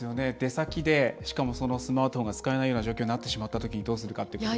出先でしかもスマートフォンが使えないような状況になってしまったときにどうするかって。